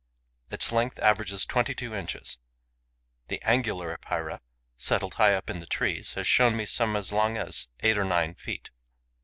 Its length averages twenty two inches. The Angular Epeira, settled high up in the trees, has shown me some as long as eight or nine feet.